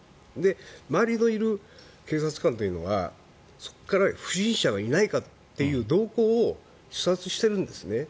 周りにいる警察官というのはそこから不審者はいないかという動向を視察してるんですね。